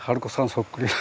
そっくりだ。